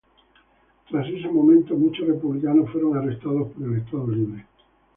Tras este momento, muchos republicanos fueron arrestados por el Estado Libre.